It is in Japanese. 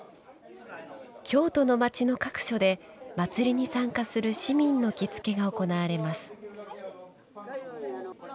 京都の町の各所で祭りに参加する市民の着付けが行われます。